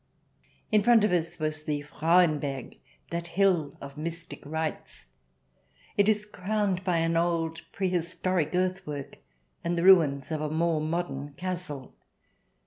In front of us was the Frauenberg, that hill of mystic rites. It is crowned by an old prehistoric earthwork and the ruins of a more modern castle.